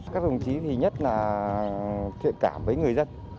các đồng chí thì nhất là thiện cảm với người dân